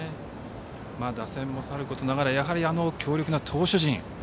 打線もさることながらやはり強力な投手陣。